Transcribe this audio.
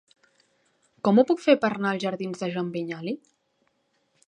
Com ho puc fer per anar als jardins de Joan Vinyoli?